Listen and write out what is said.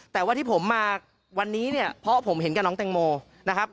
แต่ว่าที่ผมมาวันนี้เนี่ยเพราะผมเห็นกับน้องแตงโมนะครับ